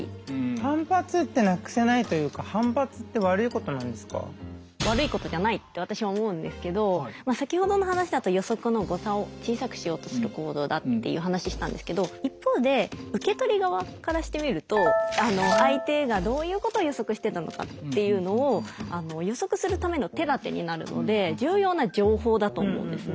反発ってなくせないというかって私は思うんですけど先ほどの話だと予測の誤差を小さくしようとする行動だっていう話したんですけど一方で受け取り側からしてみると相手がどういうことを予測してたのかっていうのを予測するための手だてになるので重要な情報だと思うんですね。